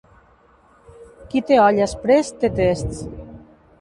Qui té olles prest té tests.